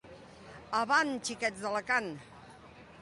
Avant, xiques d'Alacant!